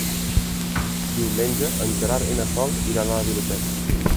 Diumenge en Gerard i na Sol iran a la biblioteca.